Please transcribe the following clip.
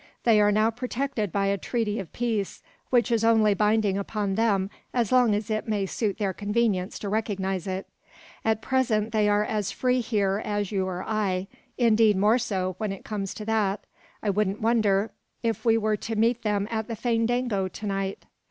They are now protected by a treaty of peace, which is only binding upon them so long as it may suit their convenience to recognise it. At present they are as free here as you or I; indeed, more so, when it comes to that. I wouldn't wonder it we were to meet them at the fandango to night."